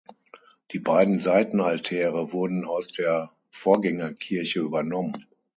Die beiden Seitenaltäre wurden aus der Vorgängerkirche übernommen.